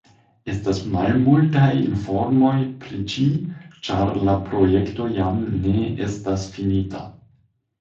Estas malmultaj informoj pri ĝi, ĉar la projekto jam ne estas finita.